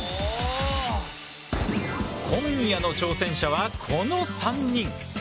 今夜の挑戦者はこの３人！